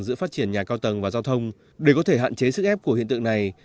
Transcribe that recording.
giữa phát triển nhà cao tầng và giao thông để có thể hạn chế sức ép của hiện tượng này